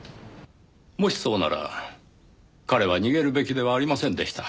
もしそうなら彼は逃げるべきではありませんでした。